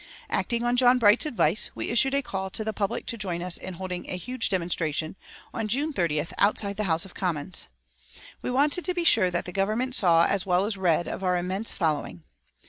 Acting on John Bright's advice, we issued a call to the public to join us in holding a huge demonstration, on June 30th outside the House of Commons. We wanted to be sure that the Government saw as well as read of our immense following.